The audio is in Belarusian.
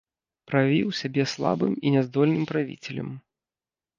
Праявіў сябе слабым і няздольным правіцелем.